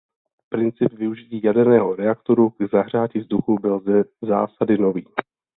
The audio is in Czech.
Princip využití jaderného reaktoru k zahřátí vzduchu byl ze zásady nový.